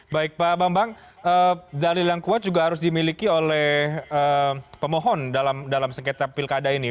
baik pak bambang dalil yang kuat juga harus dimiliki oleh pemohon dalam sengketa pilkada ini